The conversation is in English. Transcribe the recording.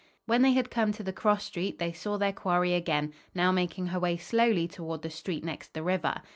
When they had come to the cross street they saw their quarry again, now making her way slowly toward the street next the river.